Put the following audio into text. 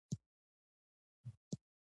خو سهار به درې نرسان له یوه ډاکټر سره په نوبت وو.